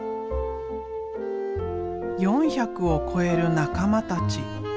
４００を超える仲間たち。